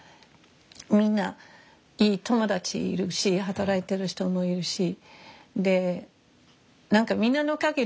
みんないい友達いるし働いてる人もいるしで何かみんなのおかげで私生きてる今ね。